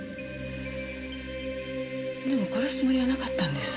でも殺すつもりはなかったんです。